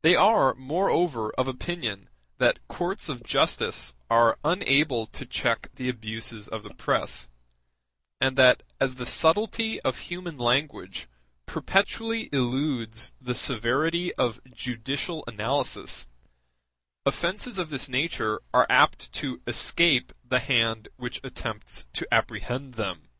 They are moreover of opinion that courts of justice are unable to check the abuses of the press; and that as the subtilty of human language perpetually eludes the severity of judicial analysis, offences of this nature are apt to escape the hand which attempts to apprehend them.